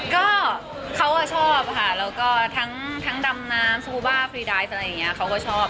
ก็เขาชอบค่ะแล้วก็ทั้งดำน้ำสกูบ้าฟรีไดซอะไรอย่างนี้เขาก็ชอบ